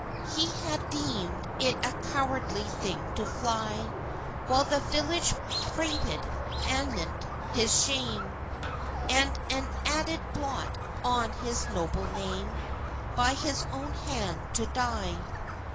He had deemed it a cowardly thing to fly While the village prated anent his shame, And an added blot on his noble name By his own hand to die.